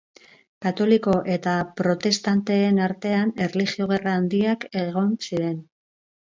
Katoliko eta protestanteen artean erlijio-gerra handiak egon ziren.